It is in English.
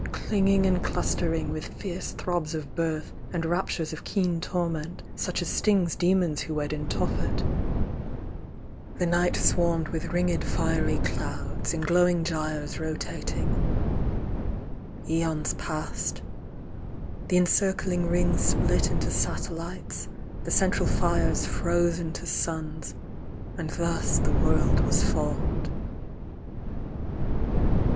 Clinging and clustering, with fierce throbs of birth. And raptures of keen torment, such as stings Demons who wed in Tophet ; the night swarmed With ringed fiery clouds, in glowing gyres Rotating : aons passed : the encircling rings Split into satellites ; the central fires Froze into suns ; and thus the world was formed.